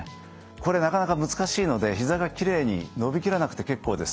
これなかなか難しいのでひざがきれいに伸び切らなくて結構です。